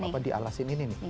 apa dialas ini nih